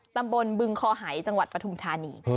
ตำบลบึงคอหายจังหวัดปฐุมธานี